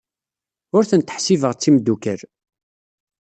Ur tent-ḥsibeɣ d timeddukal.